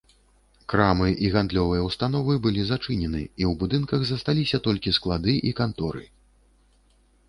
Крамы і гандлёвыя ўстановы былі зачынены і ў будынках засталіся толькі склады і канторы.